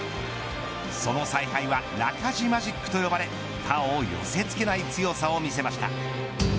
その采配はナカジマジックと呼ばれ他を寄せ付けない強さを見せました。